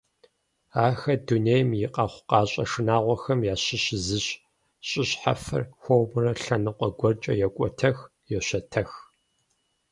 Ахэр дунейм и къэхъукъащӏэ шынагъуэхэм ящыщ зыщ, щӏы щхьэфэр хуэмурэ лъэныкъуэ гуэркӏэ йокӏуэтэх, йощэтэх.